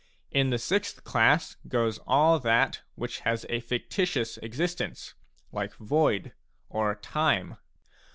In the sixth class goes all that which has a fictitious existence, like void, or time.